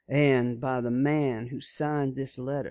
And by the man who signed this letter."